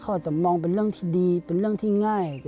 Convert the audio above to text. เขาอาจจะมองเป็นเรื่องที่ดีเป็นเรื่องที่ง่าย